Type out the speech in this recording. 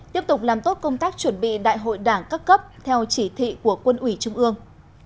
tiếp tục làm tốt công tác chuẩn bị đại hội đảng các cấp theo chỉ thị của quân ủy trung ương